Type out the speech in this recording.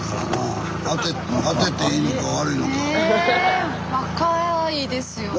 え若いですよね？